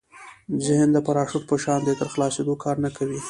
ذهن د پراشوټ په شان دی تر خلاصېدو کار نه کوي.